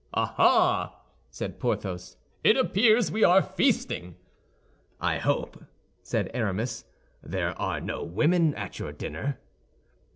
"Ah, ah!" said Porthos, "it appears we are feasting!" "I hope," said Aramis, "there are no women at your dinner."